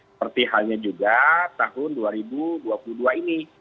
seperti halnya juga tahun dua ribu dua puluh dua ini